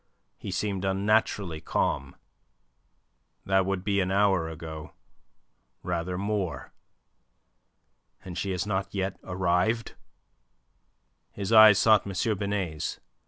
He seemed unnaturally calm. "That would be an hour ago rather more. And she has not yet arrived?" His eyes sought M. Binet's. M.